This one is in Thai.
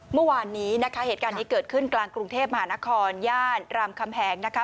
เมื่อวานนี้นะคะเหตุการณ์นี้เกิดขึ้นกลางกรุงเทพมหานครย่านรามคำแหงนะคะ